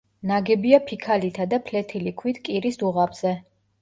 ნაგებია ფიქალითა და ფლეთილი ქვით კირის დუღაბზე.